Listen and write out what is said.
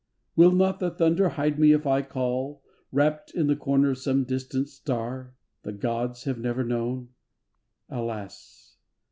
Will not the thunder hide me if I call, Wrapt in the comer of some distant star The gods have never known? Alas!